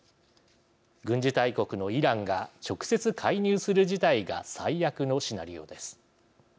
軍事大国のイランが直接介入する事態が最悪のシナリオです。